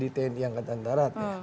dan di tni angkatan tarat